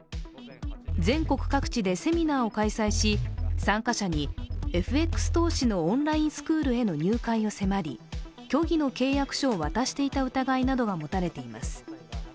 全国各地でセミナーを開催し、参加者にＦＸ投資のオンラインスクールへの入会を迫り、虚偽の契約書を渡していた疑いなどが持たれています。